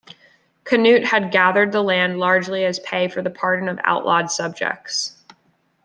Canute had gathered the land largely as pay for the pardon of outlawed subjects.